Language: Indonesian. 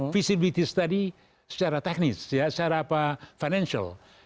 visibility study secara teknis ya secara apa financial